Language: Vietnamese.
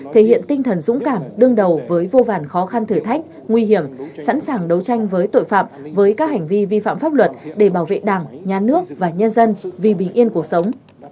thể hiện tinh thần dũng cảm đương đầu với vô vàn khó khăn thử thách nguy hiểm sẵn sàng đấu tranh với tội phạm với các hành vi vi phạm pháp luật để bảo vệ đảng nhà nước và nhân dân vì bình yên cuộc sống